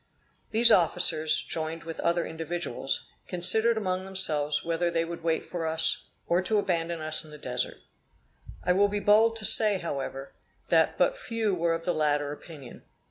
These officers, joined with other individuals, considered among themselves whether they would wait for us, or to abandon us in the Desert. I will be bold to say, however, that but few were of the latter opinion.